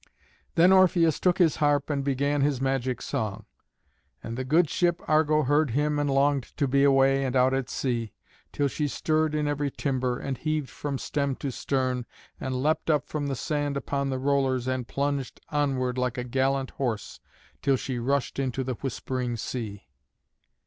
Then Orpheus took his harp and began his magic song. And the good ship Argo heard him and longed to be away and out at sea, till she stirred in every timber, and heaved from stem to stern, and leapt up from the sand upon the rollers, and plunged onward like a gallant horse till she rushed into the whispering sea.